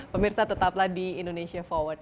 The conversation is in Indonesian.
pemirsa tetaplah di indonesia forward